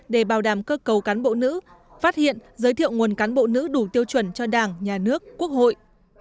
để bảo đảm cơ cầu cán bộ nữ phát hiện giới thiệu nguồn cán bộ nữ đủ tiêu chuẩn cho đảng nhà nước quốc hội